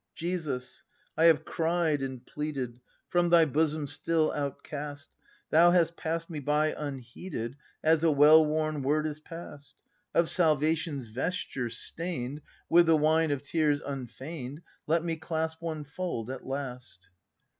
] Jesus, I have cried and pleaded, — From thy bosom still outcast; Thou hast pass'd me by unheeded As a well worn word is passed; Of salvation's vesture, stain'd With the wine of tears unfeign'd. Let me clasp one fold at last!